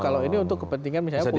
kalau ini untuk kepentingan misalnya